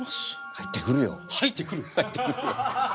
入ってくるよ。